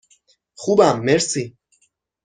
خوبم، مرسی.